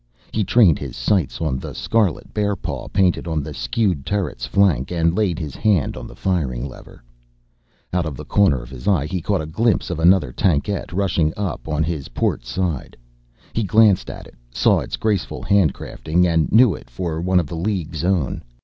He trained his sights on the scarlet bearpaw painted on the skewed turret's flank, and laid his hand on the firing lever. Out of the corner of his eye, he caught a glimpse of another tankette rushing up on his port side. He glanced at it, saw its graceful handcrafting, and knew it for one of the League's own.